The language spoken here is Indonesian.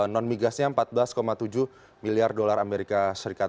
non migasnya empat belas tujuh miliar dolar amerika serikat